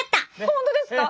本当ですか？